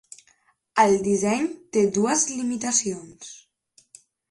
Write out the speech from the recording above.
El disseny té dues limitacions.